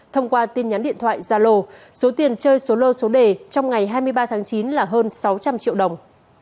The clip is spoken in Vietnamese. thông qua tin nhắn điện thoại zalo số tiền chơi số lô số đề trong ngày hai mươi ba tháng chín là hơn sáu trăm linh triệu đồng